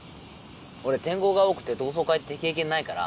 俺転校が多くて同窓会って経験ないから。